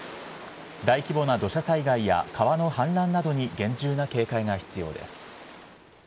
大規模な土砂災害や川の氾濫などに厳重な警戒が必要です。